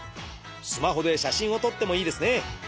スマホで写真を撮ってもいいですね。